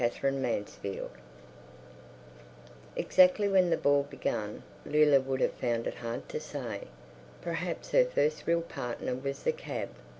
Her First Ball Exactly when the ball began Leila would have found it hard to say. Perhaps her first real partner was the cab.